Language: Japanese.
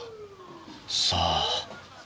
さあ。